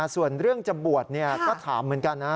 ส่วนเรื่องจะบวชก็ถามเหมือนกันนะ